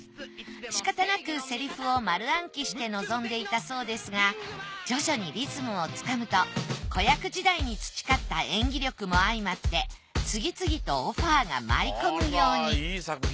しかたなくセリフを丸暗記して臨んでいたそうですが徐々にリズムをつかむと子役時代に培った演技力も相まって次々とオファーが舞い込むように。